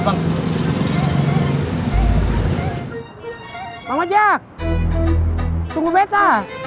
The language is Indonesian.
mama jak tunggu beta